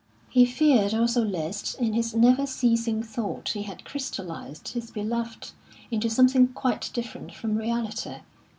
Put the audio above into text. He feared also lest in his never ceasing thought he had crystallised his beloved into something quite different from reality.